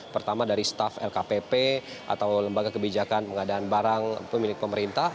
pertama dari staf lkpp atau lembaga kebijakan pengadaan barang pemilik pemerintah